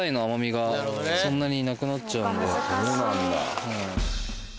そうなんだ。